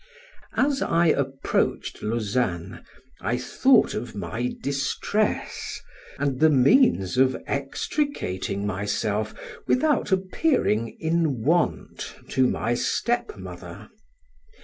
As I approached Lausanne, I thought of my distress, and the means of extricating myself, without appearing in want to my step mother.